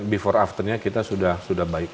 before afternya kita sudah baik